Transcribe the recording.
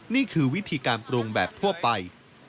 นี่คือวิธีการปรุงแบบทั่วไป